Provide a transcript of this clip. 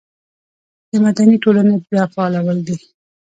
د مدني ټولنې بیا فعالول دي.